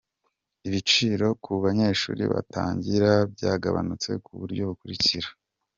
Ibiciro ku banyeshuri batangira byagabanutse ku buryo bukurikira :